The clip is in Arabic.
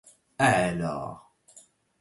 أعلى.